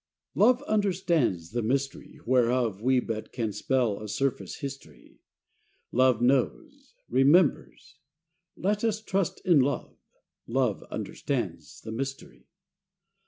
T OVE understands the mystery, whereof We can but spell a surface history: Love knows, remembers : let us trust in Love: Love understands the mystery.